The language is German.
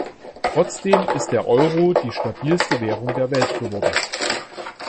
Trotzdem ist der Euro die stabilste Währung der Welt geworden.